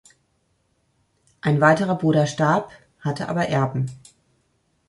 Ein weiterer Bruder starb, hatte aber Erben.